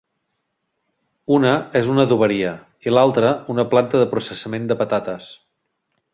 Una és una adoberia, i l'altra, una planta de processament de patates.